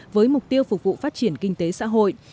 với mục tiêu phục vụ phát triển kinh tế xã hội